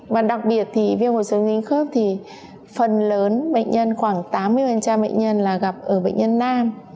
và đặc biệt thì viêm cột sống dính khớp thì phần lớn bệnh nhân khoảng tám mươi bệnh nhân là gặp ở bệnh nhân nam